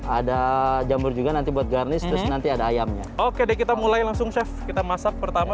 ada jamur juga nanti buat garnish terus nanti ada ayamnya oke deh kita mulai langsung chef kita masak pertama